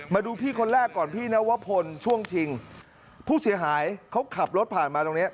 มาดูพี่คนแรกก่อนพี่นวพลช่วงชิงผู้เสียหายเขาขับรถผ่านมาตรงนี้